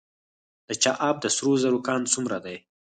د چاه اب د سرو زرو کان څومره دی؟